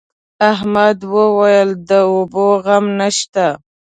احمد وويل: د اوبو غم نشته.